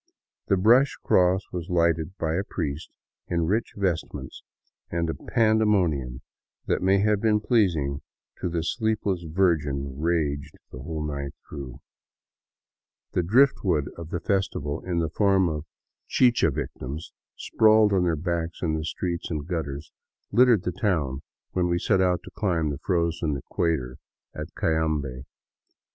The brush cross w^as lighted by a priest in rich vestments, and a pandemonium that may have been pleasing to the sleepless Virgin raged the whole night through. 124 DOWN THE ANDES TO QUITO The driftwood of the festival, in the form of chicha victims sprawled on their backs in streets and gutters, littered the town when we set out to climb to the frozen equator at Cayambe.